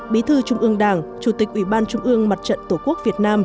bí thư trung ương đảng chủ tịch ủy ban trung ương mặt trận tổ quốc việt nam